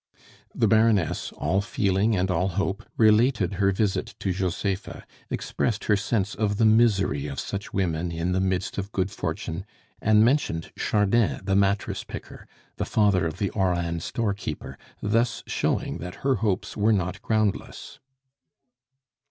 The Baroness, all feeling and all hope, related her visit to Josepha, expressed her sense of the misery of such women in the midst of good fortune, and mentioned Chardin the mattress picker, the father of the Oran storekeeper, thus showing that her hopes were not groundless.